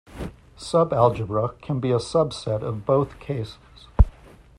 Subalgebra can be a subset of both cases.